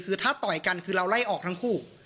คือถ้าต่อยกันคือเราไล่ออกทั้งคู่